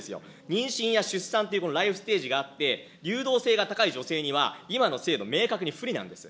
妊娠や出産というライフステージがあって、流動性が高い女性には、今の制度、明確に不利なんです。